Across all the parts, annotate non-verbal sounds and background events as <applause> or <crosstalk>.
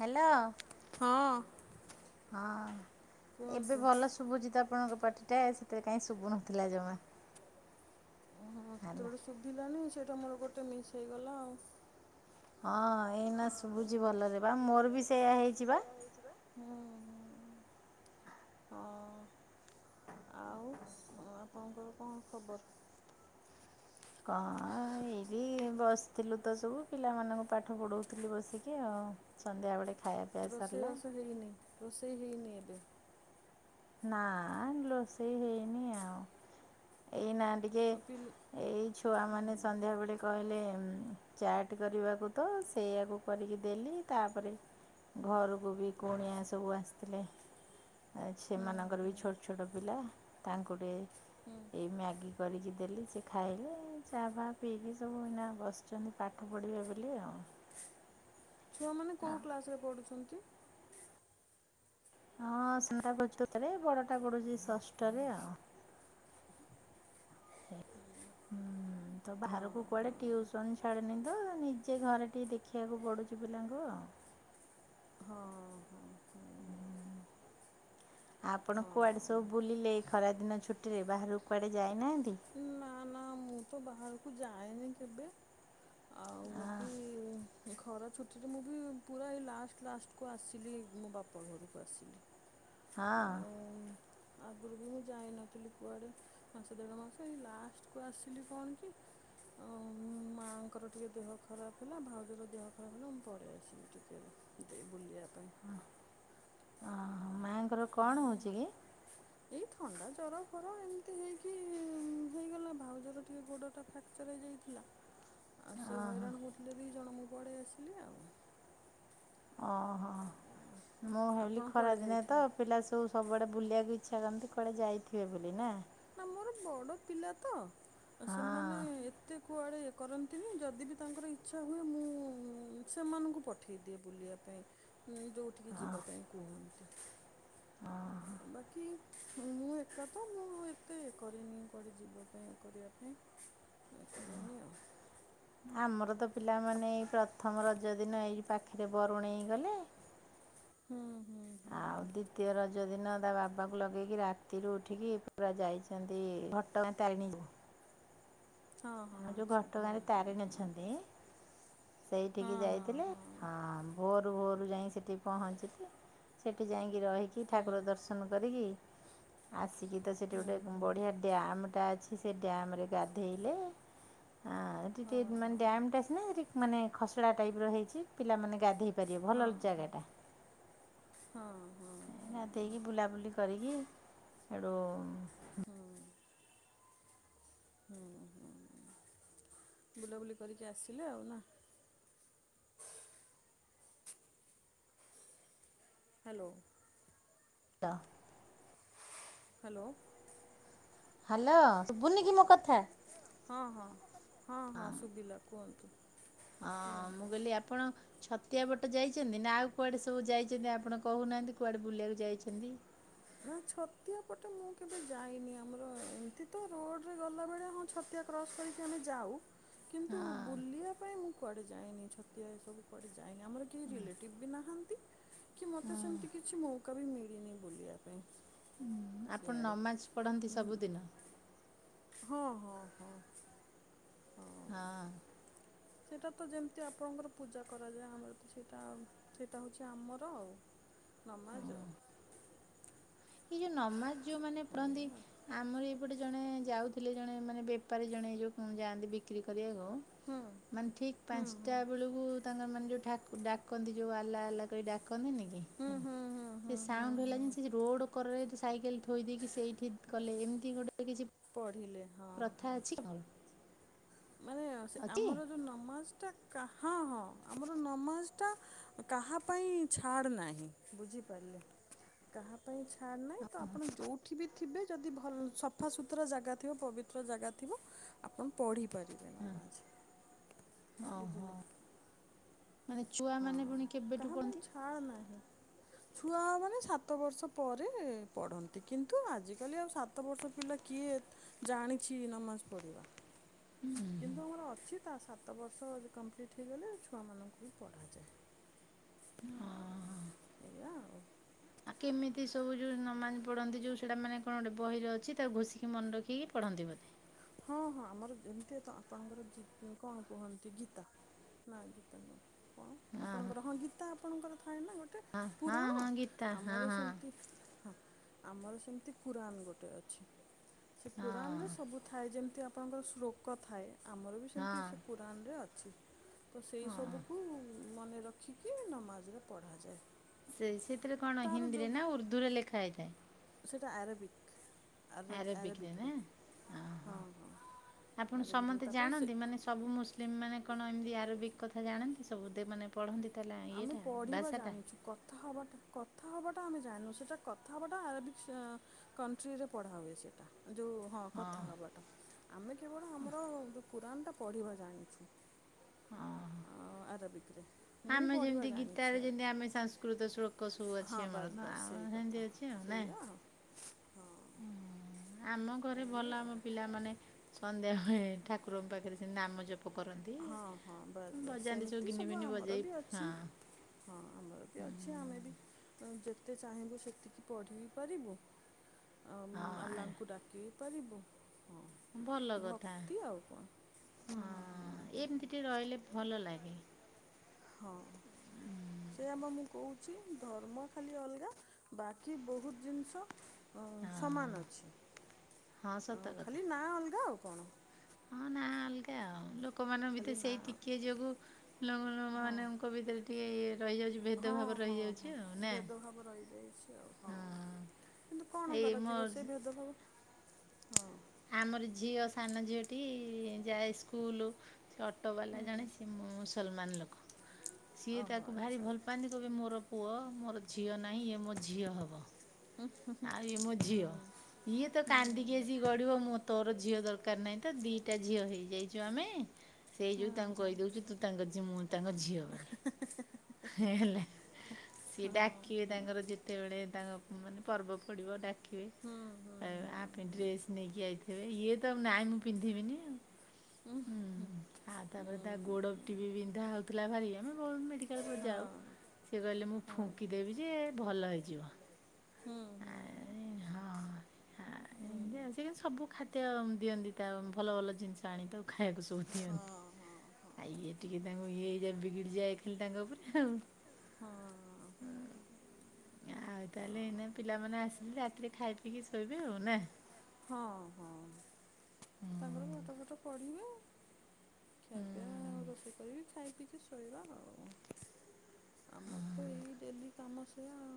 Hello. ହଁ। ହଁ ଏବେ କୁହନ୍ତୁ ଭଲ ଶୁଭୁଚିତ ଆପଣଙ୍କ ପାର୍ଟି ଟା ସେଥିେବେଳେ କାଇହିଁ ଶୁଭୁନଥିଲା ଜମା ଓହୋ ସେତେ ହେଲା। ଗୋଟେ ଶୁଭିଲାନି ସେଇଟା ମୋର ଗୋଟେ ମିସ୍ ହେଇଗଲା ଆଉ ହଁ ଏଇନା ଶୁଭୁଝି ଭଲରେ ବା ଶୁଭୁଛି ମୋର ଭଲରେ ବି ବା ସେଇୟଆ ମୋର ବି ହେଇଛି ବା। ସେଇଆ ହେଇଛି ବା। ହୁଁ ହଁ ହଁ। ହଁ ଆଉ ଆପଣଙ୍କର କଣ ଖବର? <unintelligible> ହେଇି ବସିଥିଲୁ ତ ସବୁ ପିଲାମାନଙ୍କୁ ପାଠ ପଢଉଥିଲି ବସିକି ଆଉ। ସନ୍ଧ୍ୟା <unintelligible> ରୋଷେଇ ବାସ ହେଇନି ରୋଷେଇ ହେଇନି ଏବେ। ନା ରୋଷେଇ ହେଇନି ଆଉ ଏଇନା ଟି ଯେ ଆଉ ପିଲା ଏଇ ଛୁଆମାନେ ସନ୍ଧ୍ୟାବେଳେ କହିଲେ ଚାଟ୍ କରିବାକୁ ତ ସେଇଆକୁ କରିକି ଦେଲି ତାପରେ ଘରକୁ ବି କୁଣିଆ ସବୁ ଆସିଥିଲେ। ହୁଁ ସେମାନଙ୍କର ବି ହୁଁ ଛୋଟ ଛୋଟ ପିଲା ତାଙ୍କୁ ବି ହୁଁ ଏଇ ମ୍ୟାଗି କରିକି ଦେଲି ସେ ଖାଇଲେ ଚା ଫହା ପିଇକି ସବୁଇନା ବସ ଆଛନ୍ତି ପାଠ ପଢ଼ିବେ ବୋଲି ଆଉ ଛୁଆମାନେ କୋଉ କ୍ଳାସ ରେ ପଢୁଛନ୍ତି? ହଁ ସାନ ଟା ପଢୁଛି ଚତୃର୍ଥ ରେ ବଡ ଟା ପଡୁଛି ଷଷ୍ଠରେ ଆଉ। ହୁଁ ହ ତ ବାହାରକୁ କୁଆଡ଼େ ଟଟିଉସନ୍ ଛାଡ଼ନି ତ ନିଜେ ଘରେ ଟିକେ ଦେଖିବାକୁ ପଡୁଛି ପିଲାଙ୍କୁ ଆଉ। ହଁ ହଁ ହୁଁ ହୁଁ ଆପଣ କୁଆଡ଼େ ସବୁ ବୁଲିଲେ ଖରାଦିନ ଛୁଟିରେ ବାହାରକୁ କୁଆଡ଼େ ଯାଇନାହାନ୍ତି? ନା ନା ମୁଁ ତ ବାହାରକୁ ଯାଏନି କେବେ। ଆଉ ବାକି ଖରା ଛୁଟିରେ ମୁଁ ବି ପୁରା ଏ ଲାଷ୍ଟ ଲାଷ୍ଟ କୁ ଆସିଲି ମୋ ବାପ ଘରକୁ ଆସିଲି। ହଁ। ଆଉ ଆଗରୁ ବି ମୁଁ ଯାଇନଥିଲି କୁଆଡ଼େ ମାସ ଦେଢ଼ ମାସ ଏଇ ଲାଷ୍ଟ କୁ ଆସିଲି କଣ କି? ମାଆଙ୍କର ଟିକେ ଦେହ ଖରାପ ହେଲା ଭାଉଜର ଦେହ ଖରାପ ହେଲା ମୁଁ ପଳେଇ ଆସିଲି ଟିକେ। ଦେଇ ବୁଲିବା ପାଇଁ। <unintelligible> ମାଙ୍କର କଣ ହଉଛି କି? ଏଇ ଥଣ୍ଡା ଜର ଫର ଏମିତି ହେଇକି ହେଇଗଲା ଭାଉଜର ଟିକେ ଗୋଡ ଟା ଫ୍ରାକ୍ଚର ହେଇଯାଇଥିଲା ଆଉ ସେ ହଇରାଣ ହଉଥିଲା। ହେଲେ ଦୁଇ ଜଣ ମୁଁ ପଳେଇ ଆସିଲି ଆଉ। ଓହୋ ମୁଁ ଭାବିଲି ଆପଣ ଖରା କୁଆଡ଼େ ଦିନିଆଁ ତ ଯାଇଥିଲେ? ପିଲା ସବୁ ସବୁଆଡ଼ଳେ ବୁଲିବାକୁ ଇଚ୍ଛା କରନ୍ତି କୁଆଡ଼େ ଯାଇଥିବେ ବୋଲି ନା? ନା ମୋର ବଡ଼ ପିଲା ତ ହଁ ସେମାନେ ଏତେ କୁଆଡ଼େ କରନ୍ତିନି ଯଦି ବିି ତାଙ୍କର ଇଚ୍ଛା ହୁଏ ମୁଁ ସେମାନଙ୍କୁ ପଠାଇଦିଏ ବୁଲିବା ପାଇଁ। ପାଇଁ ଯେଉଁଠିକି ଯିବା ଓହୋ। ପାଇଁ କୁହନ୍ତି? ବାକି ମୁଁ ଏକା ତ ମୁଁ ଏତେ କରିନି କୁଆଡ଼େ ଯିବା ପାଇଁ କରିବା ପାଇଁ। ଆତ କନି ଆଉ। ଆମର ତ ପିଲାମାନେ ଏଇ ପ୍ରଥମ ରଜ ଦିନ ଏଇ ପାଖରେ ବରୁଣେଇଗଲେ। ହୁଁ ହୁଁ। ହୁଁ ଆଉ ଦ୍ଵିତୀୟ ରଜ ଦିନ ତା ବାବାକୁ ଲଗେଇକି ରାତିରୁ ଉଠିକି ପୁରା ଯାଇଛନ୍ତି ଘଟ ଘଟଗାଁ ତାରିଣୀ କୁ ହଁ ହଁ ଆଉ ଯୋଉ ଆଚ୍ଛା ହଁ ଘଟଗାଁ ରେ ହଁ ତାରିଣୀ ହଁ। ଅଛନ୍ତି? ହଁ ସେଇଠିକି ହଁ ଯାଇଥିଲେ ହଁ ଭୋରୁ ଭୋରୁ ଯାଇ ସେଠି ପହଞ୍ଚିକି ସେଠି ଯାଇକି ରହିକି ହୁଁ ଠାକୁର ଦର୍ଶନ ଦର୍ଶନ କରିକି ଆସିକି ତ ସେଠି ହୁଁ ଗୋଟେ ହୁଁ ବଢିଆ ଡ୍ୟାମ୍ଟା ଅଛି ସେ ଡ୍ୟାମ୍ରରେ ଗାଧେଇଲେ ଆଁ ହଁ ଏଠି ମାନେ ହଁ ଡ୍ୟାମ ସିନା ସେଠି ମାନେ ଖସଡ଼ା ଟାଇପ୍ର ହେଇଛି। ପିଲାମାନେ ଗାଧେଇ ପାରିବେ ଭଲ ହଁ ଜାଗା ଟା। ହଁ ହଁ। ହଁ ହଁ। ଗାଧକି ବୁଲାବୁଲି କରିକି ହେଟୁ ହୁଁ। ହୁଁ ହଁ ବୁଲାବୁଲି କରିକି ଆସିଲେ ଆଉ ନାଁ? ହ୍ୟାଲୋ। ତା ହ୍ୟାଲୋ। ହ୍ୟାଲୋ ଶୁଭୁନି କି ମୋ କଥା? ହଁ, ହଁ, ହଁ, ହଁ ସୁବିଲା କୁହନ୍ତୁ। ହଁ ମୁଁ କୁହନ୍ତୁ କହିଲି ଆପଣ ଛ ତିଆ ବଟ ଯାଇଚନ୍ତି? ନା ଆଉ କୁଆଡ଼େ ସବୁ ଯାଇଚନ୍ତି ଆପଣ କହୁନାହାନ୍ତି, କୁଆଡ଼େ ବୁଲିବାକୁ ଯାଇଛନ୍ତି? ନା ଛତିଆ ପଟ ମୁଁ କେବେ ଯାଇନି, ଆମର ଏମିତି ତ ରୋଡ୍ ରେ ଗଲାବେଳେ ହଁ ଛତିଆ କ୍ରସ୍ କରିକି ଆମେ ଯାଉ, କିନ୍ତୁ ହଁ ବୁଲିବା ପାଇଁ ମୁଁ କୁଆଡ଼େ ଯାଇନି ଛତ ତିଆ ସବୁ କୁଆଡେ ଯାଇନି, ଆମର କେହି ରିଲେଟିଭ୍ ବି ନାହାନ୍ତି। କି ମୋତେ ହଁ ସେମିତି କିଛି ମୌକା ବି ମିଳିନି ବୁଲିବା ପାଇଁ। ଆପଣ ସିଆଡ଼େ ନମାଜ ପଢ଼ନ୍ତି ସବୁଦିନ? ହଁ, ହଁ, ହଁ। ହଁ। ସେଇଟା ତ ଯେମିତି ଆପଣଙ୍କର ପୂଜା କରାଯାଏ ଆମର ତ ସେଇଟା ସେଇଟା ହଉଛି ଆମର ନମାଜ। ଏ ଯୋଉ ନମାଜ ଯୋଉମାନେ ପଢ଼ନ୍ତି ଏଇଆ ଆମରି ଗୋଟେ ଜଣେ ଯାଉଥିଲେ ଜଣେ ମାନେ ବେପାରୀ ଜଣେ ଏ ଯୋଉ ଉଁ, ଯାଆନ୍ତି ବିକ୍ରି କରିବାକୁ ହୁଁ ଓ ମାନେ ଠିକ ହୁଁ ହୁଁ। ପାନ୍ସଟା ବେଳକୁ ତାଙ୍କର ମାନ ଯେଉ ଠା- ଡାକନ୍ତି ଯୋଉ ଆଲ୍ଲା ଆଲ୍ଲା କଇ ଡାକନ୍ତିନି କି? ହୁଁ, ହୁଁ। ହୁଁ ସେ ହୁଁ ହୁଁ ସାଉଣ୍ଡ ହେଲା ହୁଁ ଯେମିତି ସେ ସେ ରୋଡ୍ କରରେ ଯୋଉ ସାଇକେଲ ଥୋଇ ଦେଇକି ସେଇଠି କଲେ ଏମିତି ଗୋଟେ କିଛି ପଢ଼ିଲେ ହଁ ପ୍ରଥା ହଁ। ଅଛି ଆପଣଙ୍କର? ମାନେ ସେ ଆମର ଯୋଉ ନମାଜ ଟା କା- ହଁ, ହଁ ଆମର ନମାଜ ଟା କାହା ପାଇଁ ଛାଡ ନାହିଁ, ବୁଝିପାରଲେ? କାହା ପାଇଁ ଛାଡ଼ ନାହିଁ ତ ଆପଣ ଯୋଉଠି ବି ଥିବେ ଯଦି ଭଲ ସଫାସୁତୁରା ଜାଗା ଥିବ, ପବି ତ୍ର ଜାଗା ଥିବ ଆପଣ ପଢ଼ିପାରିବେ। ହଁ, ନମାଜ ଓ ହୋ। ବୁଝିଲେ। ହଁ କାହା ପାଇଁ ପଢ଼ନ୍ତି ଛାଡ଼ ନାହିଁ। ଛୁଆ ମାନେ ସାତ ବର୍ଷ ପରେ ପଢନ୍ତି, କିନ୍ତୁ ଆଜିିକାଲି ଆଉ ସା ତ ବର୍ଷ ପିଲା କିଏ ଜାଣିଛି ନମାଜ ପଢ଼ିବା। କିନ୍ତୁ ଆମର ଅଛି ତା ସାତ ବର୍ଷ ଯେ କମ୍ପ୍ଲିଟ୍ ହେଇଗଲେ ଛୁଆମାନଙ୍କୁ ବି ପଢ଼ାଯାଏ। ଆଉ ଏଇଆ ଆଉ। ଆ, କେମିତି ସବୁ ଯୋଉ ନମାଜ ପଢନ୍ତି ଯୋଉ ସେଇଟା ମାନେ କଣ ଗୋଟେ ବହିର ଅଛି ତାକୁ ଘୋଷିକି ମନେ ରଖିକି ପଢ଼ନ୍ତି ବୋଧେ? ହଁ, ହଁ ଆମର ଯେମିତି ତ ଆପଣଙ୍କର ଜି-ଉଁ, କଣ କୁହନ୍ତି ଗୀତା ନା ଗୀତ ନୁହଁ, କଣ ଆପଣଙ୍କର ହଁ ଗୀତା ଆପଣଙ୍କର ଥାଏ ନା ଗୋଟେ? ହଁ ହଁ ପୁରାଣ ହଁ ଗୀତା ହଁ ଆମର ହଁ ସେମିତି ହଁ ଆମର ସେମିତି କୁରାନ୍ ଗୋଟେ ଅଛି, ସେ ହଁ କୁରାନ୍ ରେ ସବୁ ଥାଏ ଯେମିତି ଆପଣଙ୍କର ଶ୍ରୋକ ଥାଏ, ଆମର ବି ହଁ ସେମିତି ସେ କୁରାନ୍ ରେ ଅଛି। ତ ସେଇ ହଁ ସବୁକୁ ମନେ ରଖିକି ନମାଜରେ ପଢ଼ାଯାଏ। ସେ ସେଥିରେ କଣ ତାର ହିନ୍ଦୀ ରେ ନା ଉର୍ଦ୍ଧୁ ରେ ଲେଖା ହେଇଥାଏ? ସେଟା ଆରବିକ୍ ଆର ଆରବିକରେ ଆରବିକ୍ ନା ରେ ହଁ, ହଁ। ଆପଣ ଆରବିକରେ ସମସ୍ତେ ତାପରେ ସେ ଜାଣନ୍ତି ମାନେ ସବୁ ମୁସଲିମ ମାନେ କଣ ଏମିତି ଆରବିକ୍ କଥା ଜାଣନ୍ତି ସବୁ? ଦେ-ମାନେ ପଢ଼ନ୍ତି ତାହେଲା ଆମେ ଇଏଟା ପଢ଼ିବା ଭାଷାଟା? ଜାଣିଛୁ କଥା ହବାଟ କଥା ହବାଟା ଆମେ ଜାଣିନୁ, ସେଟା କଥା ହବାଟା ଆରବିକ୍ ସେ ଅଁ, କଣ୍ଟ୍ରିରେ ପଢା ହୁଏ ସେଇଟା ଯୋଉ ହଁ କଥା ହବାଟା, ଆମେ କେବଳ ଆମର ଯୋଉ କୁରାନ୍ ଟା ପଢ଼ିବା ଜାଣିଛି। ହଁ। ଆରଭିକ୍ ରେ। ମୁଁ ପଢ଼ିବା ଜାଣିଛି ଗୀତାରେ ଆରେ ଯେମିତି ଆମେ ସାଂସ୍କୃତ ଶ୍ଳୋକ ସବୁ ଅଛି ହଁ ଆମର ବାସ୍ ତ ବାସ୍ ଆମ ସେଇ ସେମିତି କଥା ଅଛି ଆଉ ନା ସେଇଆ ହଁ। ଆମ ଘରେ ଭଲ ଏଇ ଆମ ଆଉ ପିଲା ମାନେ ସନ୍ଧ୍ୟା ଠାକୁରଙ୍କ ପାଖରେ ସେମିତି ନାମ ଜପ କରନ୍ତି ହଁ ହଁ ବାସ୍ ବାସ୍ ବଜାନ୍ତି ସେମିତି ଗିନି ସବୁ ଫିନି ଆମର ବଜେଇ ବି ହଁ ଅଛି। ହଁ ଆମର ବି ଅଛି ଆମେ ବି ତ ଯେତେ ଚାହିଁବୁ ସେତିକି ପଢ଼ି ବିି ପାରିବୁ୍। ଆମ୍ ହଁ ଆଲ୍ଲାଙ୍କୁ ଡାକି ବି ପାରିବୁ। ଭଲ ହଁ କଥା ଭକ୍ତି ଆଉ କଣ। ତି ରହିଲେ ଭଲ ଲାଗେ। ହଁ। ସେଇଆ ବା ମୁଁ କହୁଛି ଧର୍ମ ଖାଲି ଅଲଗା ବାକି ବୋହୁତ ଜିନିଷ ଅ ହଁ ସମାନ ଅଛି ହଁ ଅଁ ସତ କଥା ଖାଲି ନା ଅଲଗା ଆଉ କଣ। ହଁ ନା ଅଲଗା ଆଉ ଲୋ ଲୋକମାନଙ୍କ ଖାଲି ଭିତରେ ସେଇ ନାଁ ଟିକିଏ ଯୋଗୁଁ ଲୋ <unintelligible> ହଁ ମାନଙ୍କ ଭିତରେ ଟିକେ ରହିଯାଉଛି ହଁ ଭେଦଭାବ ହଁ ରହିଯାଉଛି ହଁ ଆଉ ନା ଭେଦଭାବ ରହିଯାଇଛି ଆଉ ହଁ। କିନ୍ତୁ କଣ ଏଇ ମୋ କରାଯିବ ସେ ଭେଦଭାବ ହଁ ଆମରି ଝିଅ ସାନ ଝିଅଟି ଯାଏ ସ୍କୁଲୁ। ସେ ଅଟୋ ବାଲା ହୁଁ ଜଣେ ସିଏ ମୁସଲମାନ ଲୋକ। ସିଏ ଓହୋ ତାକୁ ଭାରି ଆଚ୍ଛା ଭଲ ପାଆନ୍ତି କହିବେ ମୋର ପୁଅ ମୋର ଝିଅ ନାହିଁ ଇଏ ମୋ ଝିଅ ହବ। ଆଉ ଇଏ ମୋ ଝିଅ ଇଏ ତ ହୁଁ କାନ୍ଦନ୍ତିିକି ଆସିକି ଗଡ଼ିବ ମୁଁ ତୋର ଝିଅ ଦରକାର ନାହିଁ ତ ଦିଇଟା ଝିଅ ହେଇଯାଇଛୁ ଆମେ। ସେଇ ହୁଁ ଯୋଗୁ ତାଙ୍କୁ ହୁଁ କହିଦୋଉଛୁ ତୁ ତାଙ୍କ ମୁଁ ତାଙ୍କ ଝିଅ ବୋଲି ହେ ହେଲା। ସିଏ ହଁ ଡାକିବେ ହୁଁ ତାଙ୍କର ଯେତେବେଳେ ତାଙ୍କ ମାନେ ପର୍ବ ପଡ଼ିବ ଡା କିବେ ହୁଁ ହୁଁ ହୁଁ କହିବେ ଆ ପାଇଁ ହୁଁ ଡ୍ରେସ ନେଇକି ଆଇଥିବେ ଇଏ ତ ନାଇଁ ମୁଁ ପିନ୍ଧିବିନି ଆଉ। ହୁଁ, ଆଉ ତାପରେ ତା ଗୋଡ଼ ଟି ବି ବିନ୍ଧା ହୋଉଥିଲା ଭାରି ଏମ୍ ହୋ ମେଡିକାଲକୁ ଯାଉ। ସେ କହିଲେ ମୁଁ ଫୁଙ୍କିଦେବି ଯେ ଭଲ ହେଇଯିବ। ହୁଁ ହୁଁ। ହୁଁ। ଆଁ ସେ କିନ୍ତୁ ସବୁ ଖାଦ୍ୟ ଦିଅନ୍ତି ତାକୁ ଭଲ ଭଲ ଜିନିଷ ଆଣିକି ତ ଖାଇବା ସବୁ ଦିଅନ୍ତି। ଆ ଇଏ ଟିକେ ତାଙ୍କୁ ଇଏ ହେଇଯାଏ ବିଗିଡ଼ି ଯାଏ ଖାଲି ତାଙ୍କ ଉପରେ ଆଉ। ହଁ। ହଁ ଆଉ ହଁ ତାହେଲେ ଏନେ ପିଲାମାନେ ଆସିଲେ ରାତିରେ ଖାଇ ପିଇକି ଶୋଇବେ ଆଉ ନା? ହଁ ହଁ ତାଙ୍କର ପାଠ ଫାଠ ପଢ଼ିବେ ଖିଆ ପିଆ ଆଉ ରୋଷେଇ କରିବି ଖାଇ ପିଇକି ଶୋଇବା ଆଉ। ଆମର ତ ଏଇ ଡେଲି କାମ ସେୟା ଆଉ।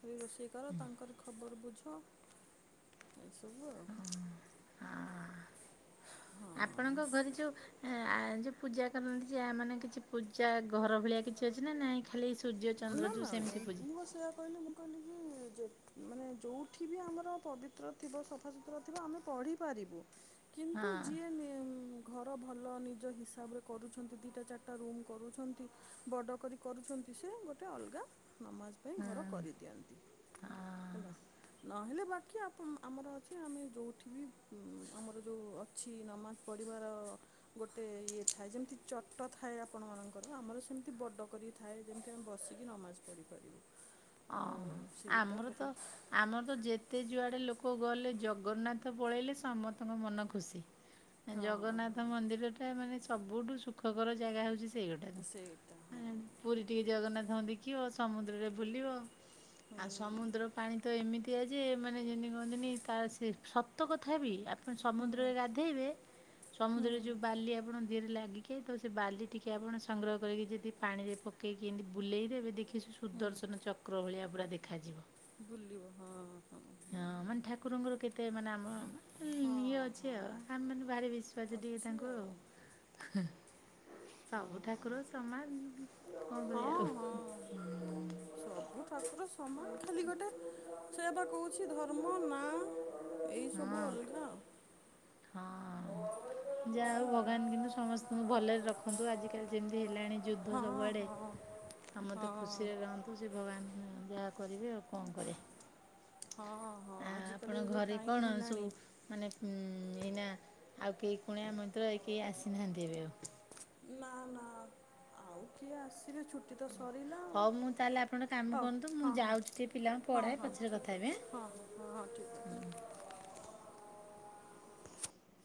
ସେଇ ରୋଷେଇ କର ତାଙ୍କରି ଖବର ବୁଝ ଏସବୁ ଆ ହୁଁ। ହଁ ଆପଣଙ୍କ ଘରେ ଯୋଉ ଏଁ ଆ ଯୋଉ ପୂଜା କରନ୍ତି ଯାହା ମାନେ କିଛି ପୂଜା ଘର ଭଳିଆ କିଛି ଅଛି ନା ନାଇଁ ଖାଲି ସୂର୍ଯ୍ୟ ଚନ୍ଦ୍ର ଯୋଉ ସେମିତି ପୂଜା? ସେୟା କିହିଲି ମୁଁ କହିଲେକି ଯେତେ ମାନେ ଯୋଉଠି ବି ଆମର ପବିତ୍ର ଥିବ ସଫାସୁତୁରା ଥିବ ଆମେ ପଢ଼ି ପାରିବୁ। କିନ୍ତୁ ହଁ। ଯିଏ ନିମ୍ ଘର ଭଲ ନିଜ ହିସାବରେ କରୁଛନ୍ତି ଦିଇଟା ଚାରିଟା ରୁମ୍ କରୁଛନ୍ ଚି ବଡ କରି କରୁଛନ୍ତି ସେ ଗୋଟେ ଅଲଗା ନମାଜ ପାଇଁ ଘର କରିଦିଅନ୍ତି। ହେଲା? ନହେଲେ ବାକି ଆପ୍ ଆମର ଅଛି ଆମେ ଯୋଉଠି ବି ଆମର ଯୋଉ ଅ ଅଛି ନମାଜ ପଢ଼ିବାର ଗୋଟେ ଇଏ ଥାଏ ଯେମିତି ଚଟ ଥାଏ ଆପଣମାନଙ୍କ ର ଆମର ସେମିତି ବଡ କରି ଥାଏ ଯେମିତି ଆମେ ବସିକି ନମାଜ ପଢିପାରିବୁ। ଓହୋ। ଆମର ତ ଆମର ତ ଯେ ତେ ଯୁଆଡ଼େ ଲୋକ ଗଲେ ଜଗନ୍ନାଥ ପଳେଇଲେ ସମସ୍ତଙ୍କ ମନ ଖୁସି। ହଁ ଜଗନ୍ନାଥ ହଁ ମନ୍ଦିର ଟା ମାନେ ସବୁଠୁ ସୁଖକର ଜାଗା ହଉଚି ସେ ସେଇଟା ହଁ ସେଇଗୋଟାରୁ ପୁରୀ ଟିକେ ଜଗନ୍ନାଥଙ୍କ ଦେଖିବ ସମୁଦ୍ରରେ ବୁଲିବ ହୁଁ ଆଉ ସମୁଦ୍ର ପାଣି ତ ଏମିତିଆ ଯେ ମାନେ ଯେମିତି କୁହନ୍ତିନି ତାର ସେ ସତ କଥା ବି ଆ ହୁଁ ସମୁଦ୍ରରେ ଗାଧେଇବେ ହୁଁ ସମୁଦ୍ରରେ ଯେଉଁ ବାଲି ଆପଣ ଦେହରେ ଲାଗିକି ତ ସେ ବାଲି ଟିକେ ଆପଣ ସଂଗ୍ରହ କରିକି ଯଦି ପାଣିରେ ପକେ- ପଇକି ଏମିତି ଖାଲି ବୁଲେଇ ଦେବେ ଦେଖି‌ ସେ ହୁଁ ସୁଦର୍ଶନ ଚକ୍ର ଭଳିଆ ପୁରା ଦେଖାଯିବ। ବୁଲିବ ହଁ ହଁ। ହଁ, ମାନେ ଠାକୁରଙ୍କର କେତେ ମାନେ ଆମ ଇଏ ହଁ ଅଛି ଆଉ ହଁ ଆମେ ମାନେ ବାହାରେ ବେ ଶ୍ୱସ ଟିକେ ତାଙ୍କୁ ଆଉ। ସବୁ ଠାକୁର ସମାନ କଣ କରିବା ହଁ ଆଉ ହଁ ହୁଁ। <unintelligible> ଠାକୁର ସମାନ ଖାଲି ଗୋଟେ ସେବା କହୁଛି ଧର୍ମ ନାଁ। ଏଇ ସବୁ ହଁ ଅଲଗା ଆଉ। ହଁ ଯା ହଉ ଭଗବାନ କିନ୍ତୁ ସମସ୍ତଙ୍କୁ ଭଲରେ ରଖନ୍ତୁ ଆଜିକାଲି ଯେମିତି ହେଲାଣି ଯୁଦ୍ଧ ଆଉ ସବୁଆଡ଼େ, ହଁ ହଁ ସମତେ ହଁ ଖୁସିରେ ରହନ୍ତୁ ସେ ଭଗବାନ ଉଁ ଯାହା କରିବେ ଆଉ। କଣ କରିଆ, ହଁ ହଁ ଆ ଆଜିକାଲି ଆପଣଙ୍କ ଯୋଉ ଘରେ ଟାଇମ୍ କଣ ସବୁ ହେଲାଣି ମାନେ ଉ ଏଇନା ଆଉ କେହି କୁଣିଆ ମଇତ୍ର କେହି ଆସିନାହାନ୍ତି ଏବେ ଆଉ? ନା ନା ଆଉ କିଏ ଆସିବେ ଛୁଟ୍ ଛୁଟି ତ ସରିିଲା ଆଉ ହଉ ମୁଁ ତାହେଲେ ଆପଣ କାମ ହଉ କରନ୍ତୁ ମୁଁ ହଁ ହଁ ଯାଉଛି ଟିକେ ପିଲାଙ୍କୁ ହଁ ପଢ଼ାଏ ହଁ ପଛରେ କଥା ଠିକ ହେବି ଆଁ। ଅଛି ହଁ। ହଁ ହଁ ଠିକ୍ ଅଛି।